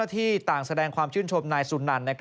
ที่ต่างแสดงความชื่นชมนายสุนัน